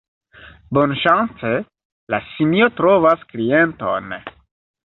Bonŝance, la simio trovas klienton.